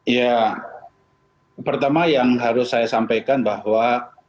ya pertama yang harus saya sampaikan bahwa